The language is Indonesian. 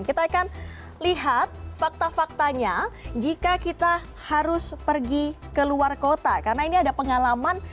kita akan lihat fakta faktanya jika kita harus pergi ke luar kota karena ini ada pengalaman